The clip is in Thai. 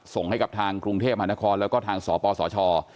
ส่งให้กับทางกรุงเทพมหานครแล้วก็ทางสปสช